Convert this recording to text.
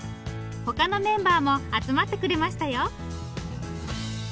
他のメンバーも集まってくれましたよ。